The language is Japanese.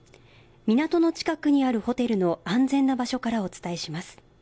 港の近くにあるホテルの安全な場所からお伝えします。